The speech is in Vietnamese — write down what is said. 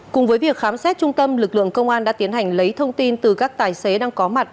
cùng với việc khám xét trung tâm lực lượng công an đã tiến hành lấy thông tin từ các tài xế đang có mặt